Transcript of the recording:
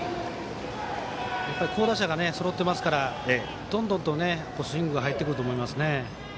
好打者がそろってますからどんどんとスイングが入ってくると思いますね。